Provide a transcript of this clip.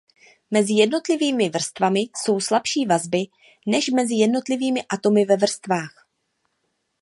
Mezi jednotlivými vrstvami jsou slabší vazby než mezi jednotlivými atomy ve vrstvách.